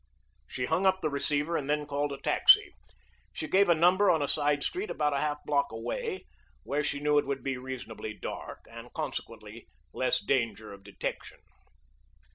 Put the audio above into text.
She hung up the receiver and then called a taxi. She gave a number on a side street about a half block away, where she knew it would be reasonably dark, and consequently less danger of detection.